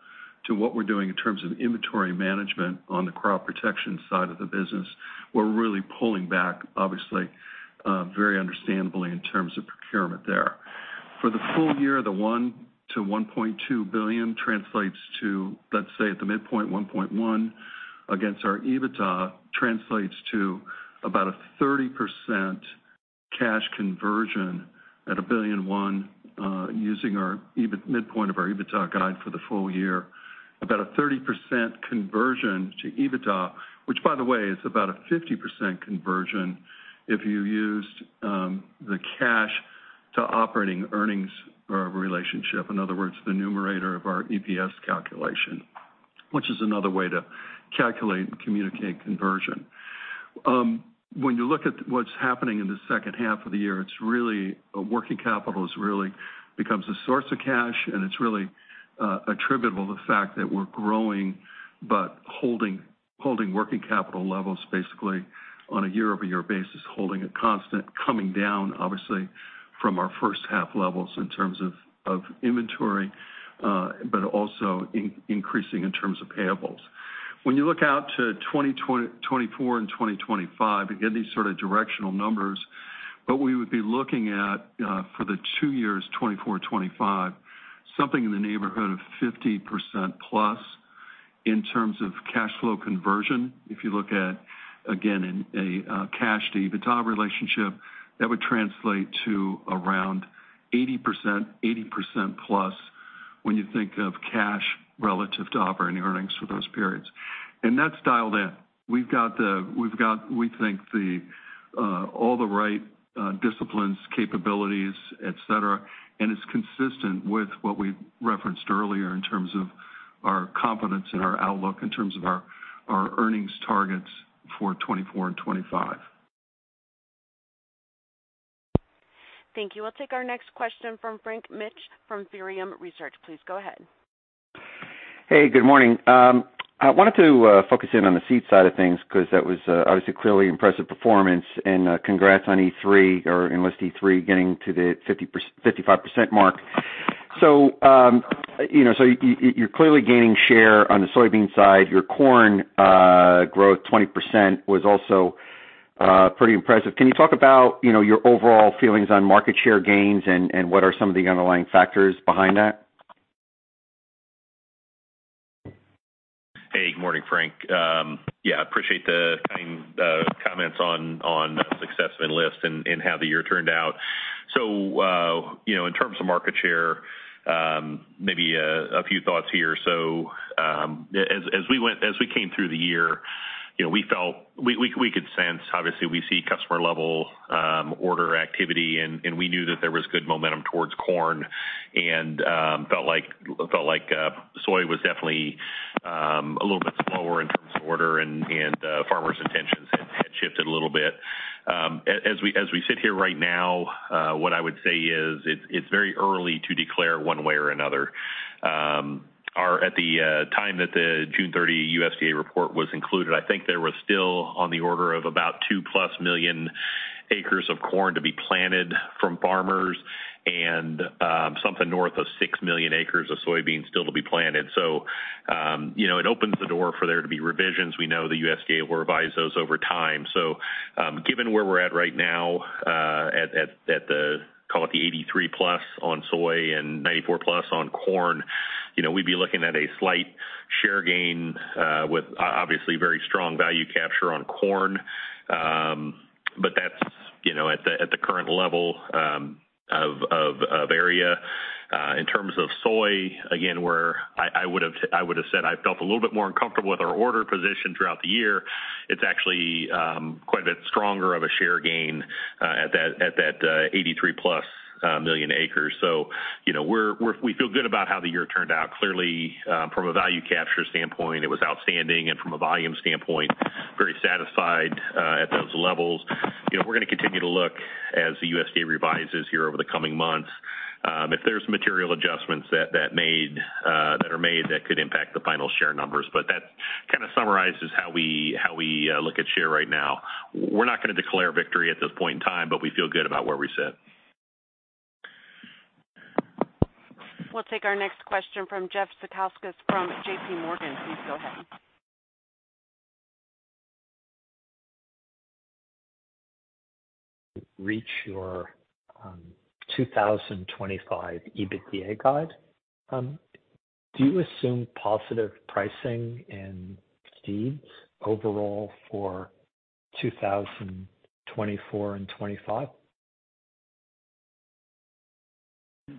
to what we're doing in terms of inventory management on the crop protection side of the business. We're really pulling back, obviously, very understandably, in terms of procurement there. For the full year, the $1 billion-$1.2 billion translates to, let's say, at the midpoint, $1.1 billion against our EBITDA, translates to about a 30% cash conversion at $1.1 billion, using our midpoint of our EBITDA guide for the full year. About a 30% conversion to EBITDA, which, by the way, is about a 50% conversion if you used the cash to operating earnings relationship. In other words, the numerator of our EPS calculation, which is another way to calculate and communicate conversion. When you look at what's happening in the second half of the year, it's really working capital is really becomes a source of cash, it's really attributable to the fact that we're growing, but holding, holding working capital levels basically on a year-over-year basis, holding it constant, coming down, obviously, from our first half levels in terms of, of inventory, but also increasing in terms of payables. When you look out to 2024 and 2025, you get these sort of directional numbers. We would be looking at for the 2 years, 2024, 2025, something in the neighborhood of 50%+ in terms of cash flow conversion. If you look at, again, in a cash to EBITDA relationship, that would translate to around 80%, 80%+ when you think of cash relative to operating earnings for those periods. That's dialed in. We've got, we think the all the right disciplines, capabilities, et cetera, and it's consistent with what we referenced earlier in terms of our confidence in our outlook, in terms of our, our earnings targets for 2024 and 2025. Thank you. We'll take our next question from Frank Mitsch from Fermium Research. Please go ahead. Hey, good morning. I wanted to focus in on the seed side of things, because that was obviously a clearly impressive performance. Congrats on E3 or Enlist E3, getting to the 55% mark. You know, you're clearly gaining share on the soybean side. Your corn growth, 20%, was also pretty impressive. Can you talk about, you know, your overall feelings on market share gains and what are some of the underlying factors behind that? Hey, good morning, Frank. Yeah, appreciate the, the comments on, on the success of Enlist and, and how the year turned out. You know, in terms of market share, maybe a few thoughts here. As we came through the year, you know, we felt, we, we, we could sense, obviously, we see customer level, order activity, and we knew that there was good momentum towards corn and, felt like, felt like, soy was definitely a little bit slower in terms of order, and farmers' intentions had, had shifted a little bit. As we, as we sit here right now, what I would say is, it's, it's very early to declare one way or another. Our at the time that the June 30 USDA report was included, I think there was still on the order of about 2+ million acres of corn to be planted from farmers and something north of 6 million acres of soybeans still to be planted. You know, it opens the door for there to be revisions. We know the USDA will revise those over time. Given where we're at right now, at the, call it the 83+ on soy and 94+ on corn, you know, we'd be looking at a slight share gain, with obviously, very strong value capture on corn. But that's, you know, at the current level of area. In terms of soy, again, where I, I would have, I would have said I felt a little bit more uncomfortable with our order position throughout the year. It's actually quite a bit stronger of a share gain at that, at that, 83+ million acres. You know, we're, we feel good about how the year turned out. Clearly, from a value capture standpoint, it was outstanding, and from a volume standpoint, very satisfied at those levels. You know, we're gonna continue to look as the USDA revises here over the coming months, if there's material adjustments that, that made, that are made, that could impact the final share numbers. That kind of summarizes how we, how we, look at share right now. We're not gonna declare victory at this point in time, but we feel good about where we sit. We'll take our next question from Jeffrey Zekauskas from J.P. Morgan. Please go ahead.... Reach your 2025 EBITDA guide. Do you assume positive pricing in seeds overall for 2024 and 2025?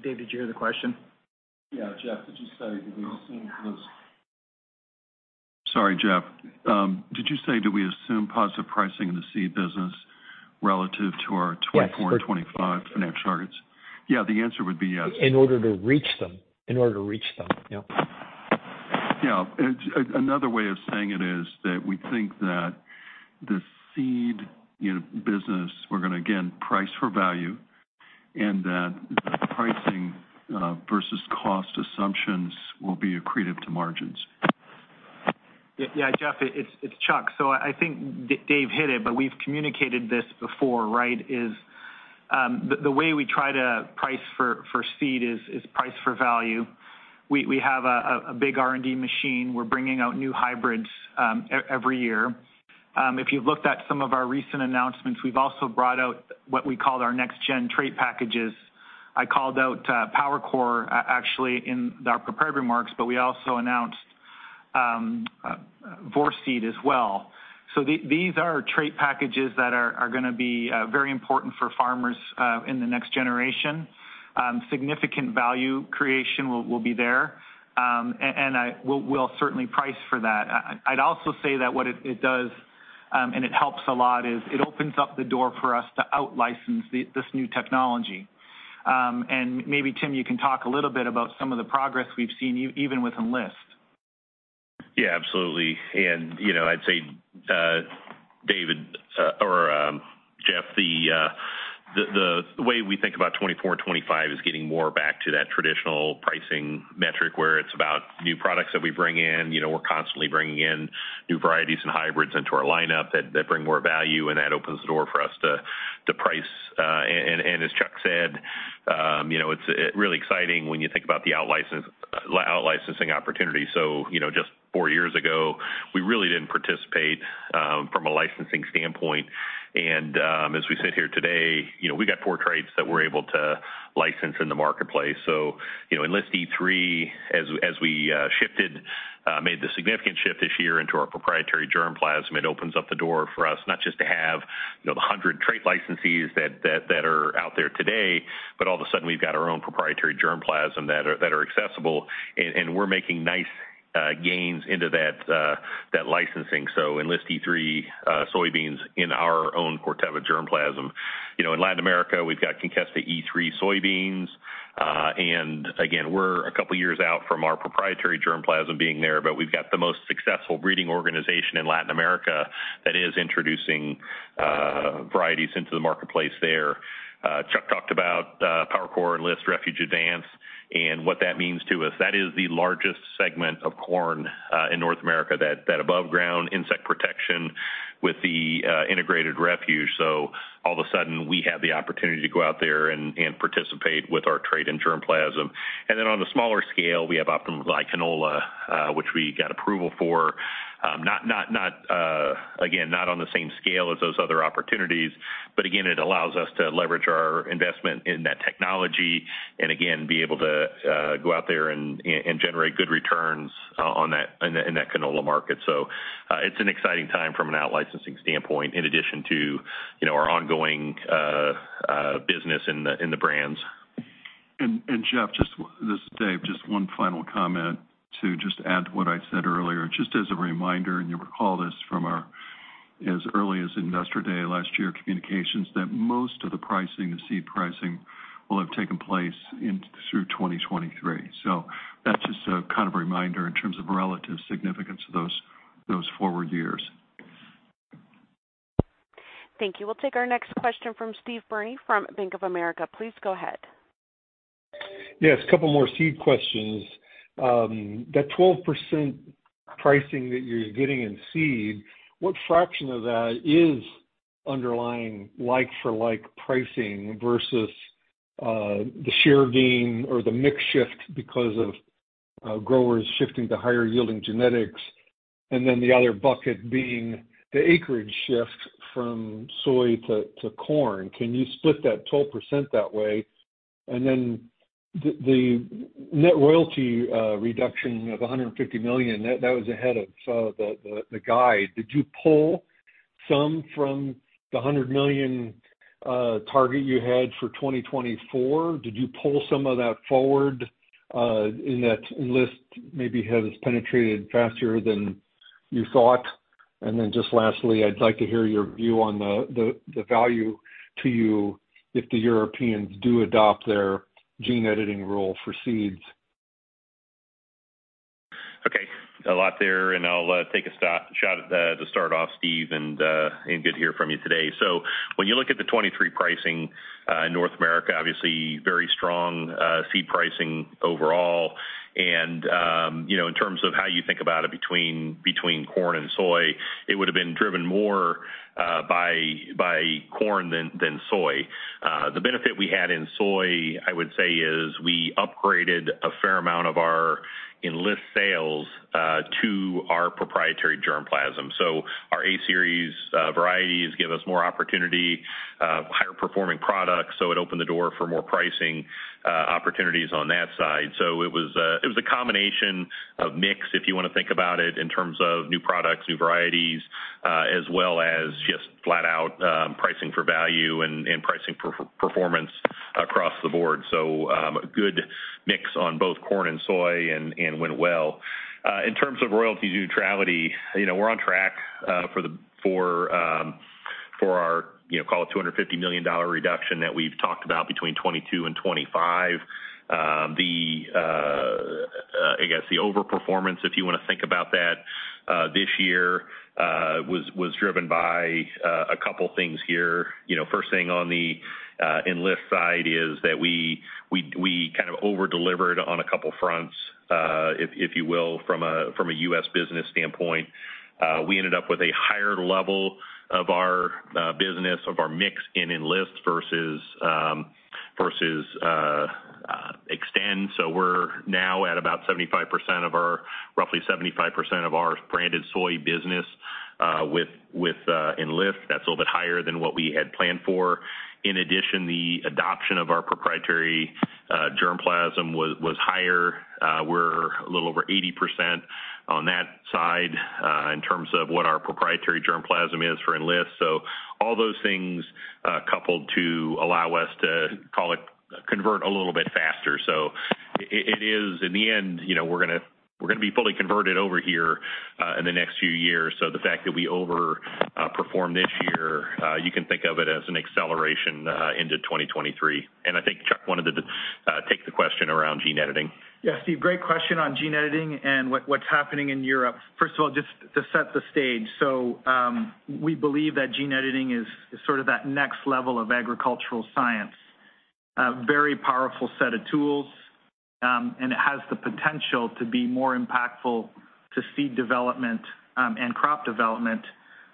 Dave, did you hear the question? Yeah, Jeff, did you say, do we assume those? Sorry, Jeff. Did you say, do we assume positive pricing in the seed business relative to our- Yes. 2024 and 2025 financial targets? Yeah, the answer would be yes. In order to reach them. In order to reach them, yeah. Yeah. Another way of saying it is that we think that the seed, you know, business, we're gonna again, price for value, and that the pricing, versus cost assumptions will be accretive to margins. Yeah, Jeff, it's, it's Chuck. I think Dave hit it, but we've communicated this before, right? Is, the way we try to price for seed is price for value. We, we have a big R&D machine. We're bringing out new hybrids every year. If you've looked at some of our recent announcements, we've also brought out what we called our next-gen trait packages. I called out PowerCore actually in our prepared remarks, but we also announced Vorceed as well. These are trait packages that are gonna be very important for farmers in the next generation. Significant value creation will be there, and we'll certainly price for that. I'd also say that what it, it does, and it helps a lot, is it opens up the door for us to outlicense the, this new technology. Maybe, Tim, you can talk a little bit about some of the progress we've seen even with Enlist. Yeah, absolutely. You know, I'd say, David, or Jeff, the way we think about 2024 and 2025 is getting more back to that traditional pricing metric, where it's about new products that we bring in. You know, we're constantly bringing in new varieties and hybrids into our lineup that, that bring more value, that opens the door for us to, to price. As Chuck said, you know, it's really exciting when you think about the out licensing opportunity. You know, just 4 years ago, we really didn't participate from a licensing standpoint. As we sit here today, you know, we got 4 traits that we're able to license in the marketplace. You know, Enlist E3, as, as we shifted, made the significant shift this year into our proprietary germplasm, it opens up the door for us, not just to have, you know, the hundred trait licensees that, that, that are out there today, but all of a sudden, we've got our own proprietary germplasm that are, that are accessible, and, and we're making nice gains into that, that licensing. Enlist E3 soybeans in our own Corteva germplasm. You know, in Latin America, we've got Conkesta E3 soybeans. And again, we're a couple of years out from our proprietary germplasm being there, but we've got the most successful breeding organization in Latin America that is introducing varieties into the marketplace there. Chuck talked about PowerCore Enlist Refuge Advanced, and what that means to us. That is the largest segment of corn in North America, that above ground insect protection with the integrated refuge. All of a sudden, we have the opportunity to go out there and participate with our trait and germplasm. On the smaller scale, we have Optimum GLY Canola, which we got approval for. Not again, not on the same scale as those other opportunities, but again, it allows us to leverage our investment in that technology and again, be able to go out there and generate good returns in that canola market. It's an exciting time from an out licensing standpoint, in addition to, you know, our ongoing business in the brands. Jeff, just this is Dave, just one final comment to just add to what I said earlier. Just as a reminder, and you'll recall this from our as early as Investor Day last year, communications, that most of the pricing and seed pricing will have taken place in through 2023. That's just a kind of reminder in terms of relative significance of those, those forward years. Thank you. We'll take our next question from Steve Byrne, from Bank of America. Please go ahead. Yes, a couple more seed questions. That 12% pricing that you're getting in seed, what fraction of that is underlying like for like pricing versus the share gain or the mix shift because of growers shifting to higher yielding genetics, and then the other bucket being the acreage shift from soy to corn? Can you split that 12% that way? The net royalty reduction of $150 million, that was ahead of the guide. Did you pull some from the $100 million target you had for 2024? Did you pull some of that forward in that Enlist maybe has penetrated faster than you thought? Then just lastly, I'd like to hear your view on the, the, the value to you if the Europeans do adopt their gene editing rule for seeds. Okay, a lot there, and I'll take a shot at the, to start off, Steve. Good to hear from you today. When you look at the 23 pricing in North America, obviously very strong seed pricing overall. You know, in terms of how you think about it between corn and soy, it would have been driven more by corn than soy. The benefit we had in soy, I would say, is we upgraded a fair amount of our Enlist sales to our proprietary germplasm. Our A-Series varieties give us more opportunity, higher performing products, so it opened the door for more pricing opportunities on that side. It was a, it was a combination of mix, if you wanna think about it, in terms of new products, new varieties, as well as just flat out pricing for value and pricing for performance across the board. A good mix on both corn and soy and went well. In terms of royalty neutrality, you know, we're on track for our, you know, call it $250 million reduction that we've talked about between 2022 and 2025. The, I guess, the overperformance, if you wanna think about that, this year, was driven by a couple things here. You know, first thing on the Enlist side is that we, we, we kind of over-delivered on a couple fronts, if, if you will, from a, from a U.S. business standpoint. We ended up with a higher level of our business, of our mix in Enlist versus, versus Xtend. We're now at about 75% of our- roughly 75% of our branded soy business, with, with Enlist. That's a little bit higher than what we had planned for. In addition, the adoption of our proprietary germplasm was, was higher. We're a little over 80% on that side, in terms of what our proprietary germplasm is for Enlist. All those things, coupled to allow us to, call it, convert a little bit faster. It, it is -- in the end, you know, we're gonna, we're gonna be fully converted over here, in the next few years. The fact that we over performed this year, you can think of it as an acceleration into 2023. I think Chuck wanted to take the question around gene editing. Yeah, Steve, great question on gene editing and what, what's happening in Europe. First of all, just to set the stage: so, we believe that gene editing is, is sort of that next level of agricultural science. A very powerful set of tools, and it has the potential to be more impactful to seed development, and crop development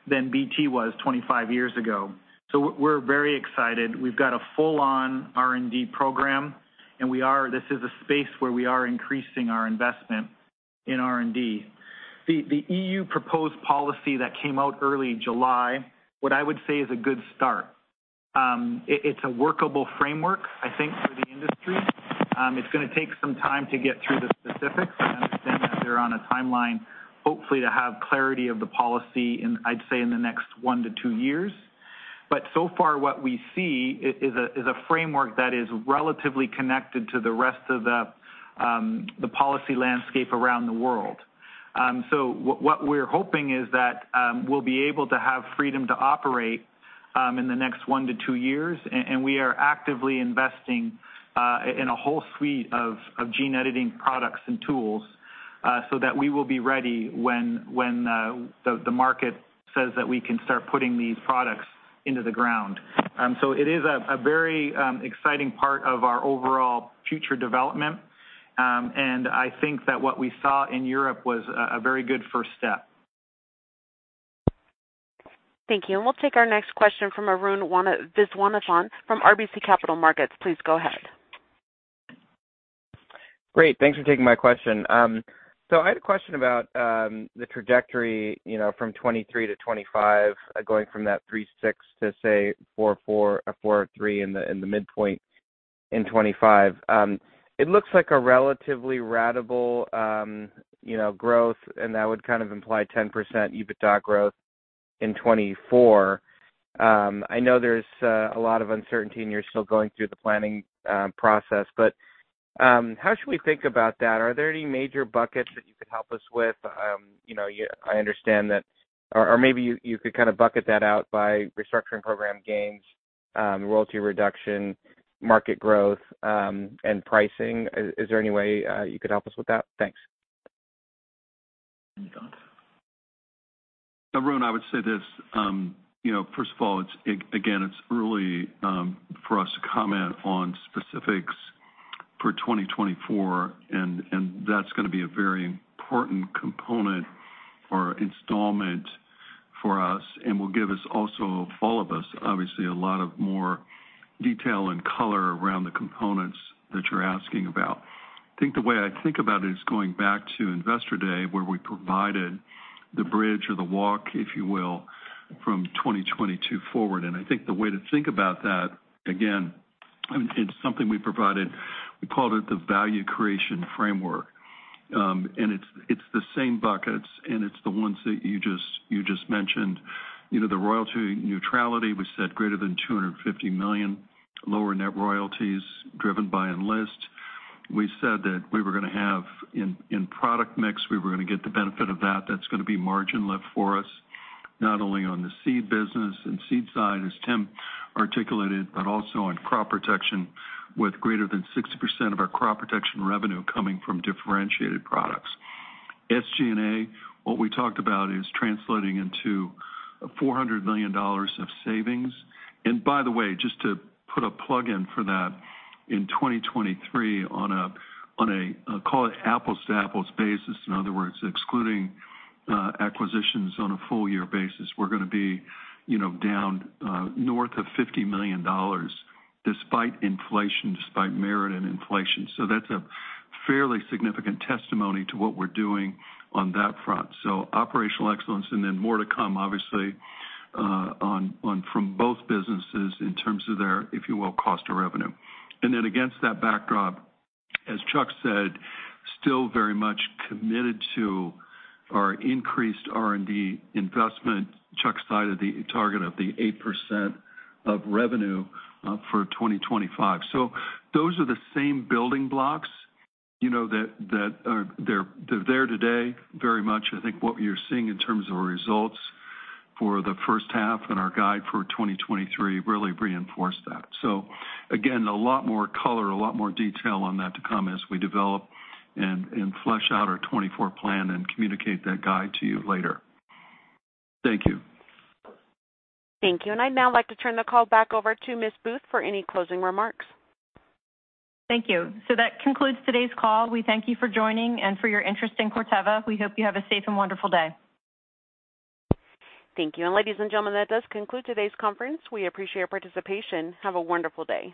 than BT was 25 years ago. We're, we're very excited. We've got a full-on R&D program, and this is a space where we are increasing our investment in R&D. The EU proposed policy that came out early July, what I would say is a good start. It's a workable framework, I think, for the industry. It's gonna take some time to get through the specifics, and I think that they're on a timeline, hopefully, to have clarity of the policy in, I'd say, in the next 1 to 2 years. So far what we see is a, is a framework that is relatively connected to the rest of the, the policy landscape around the world. What, what we're hoping is that, we'll be able to have freedom to operate, in the next 1 to 2 years, and we are actively investing, in a whole suite of, of gene editing products and tools, so that we will be ready when, when, the, the market says that we can start putting these products into the ground. It is a, a very, exciting part of our overall future development, and I think that what we saw in Europe was a, a very good first step. Thank you. We'll take our next question from Arun Viswanathan from RBC Capital Markets. Please go ahead. Great, thanks for taking my question. So I had a question about the trajectory, you know, from 2023 to 2025, going from that 3.6 to, say, 4.4 or 4.3 in the, in the midpoint in 2025. It looks like a relatively ratable, you know, growth, and that would kind of imply 10% EBITDA growth in 2024. I know there's a lot of uncertainty, and you're still going through the planning process, but how should we think about that? Are there any major buckets that you could help us with? You- I understand that... Or, or maybe you, you could kind of bucket that out by restructuring program gains, royalty reduction, market growth, and pricing. Is, is there any way you could help us with that? Thanks. Arun, I would say this, you know, first of all, it's again, it's early for us to comment on specifics for 2024, and, and that's gonna be a very important component or installment for us and will give us also, all of us, obviously, a lot of more detail and color around the components that you're asking about. I think the way I think about it is going back to Investor Day, where we provided the bridge or the walk, if you will, from 2022 forward. I think the way to think about that, again, I mean, it's something we provided. We called it the Value Creation Framework. And it's, it's the same buckets, and it's the ones that you just, you just mentioned. You know, the royalty neutrality, we said greater than $250 million, lower net royalties driven by Enlist. We said that we were gonna have, in, in product mix, we were gonna get the benefit of that. That's gonna be margin lift for us, not only on the seed business and seed side, as Tim articulated, but also on crop protection, with greater than 60% of our crop protection revenue coming from differentiated products. SG&A, what we talked about is translating into $400 million of savings. By the way, just to put a plug in for that, in 2023, on a, on a, call it apples-to-apples basis, in other words, excluding acquisitions on a full-year basis, we're gonna be, you know, down north of $50 million despite inflation, despite merit and inflation. That's a fairly significant testimony to what we're doing on that front. Operational excellence and then more to come, obviously, on, on from both businesses in terms of their, if you will, cost to revenue. Against that backdrop, as Chuck said, still very much committed to our increased R&D investment. Chuck cited the target of the 8% of revenue for 2025. Those are the same building blocks, you know, They're there today, very much. I think what you're seeing in terms of our results for the first half and our guide for 2023 really reinforce that. Again, a lot more color, a lot more detail on that to come as we develop and, and flesh out our 2024 plan and communicate that guide to you later. Thank you. Thank you. I'd now like to turn the call back over to Ms. Booth for any closing remarks. Thank you. That concludes today's call. We thank you for joining and for your interest in Corteva. We hope you have a safe and wonderful day. Thank you. Ladies and gentlemen, that does conclude today's conference. We appreciate your participation. Have a wonderful day.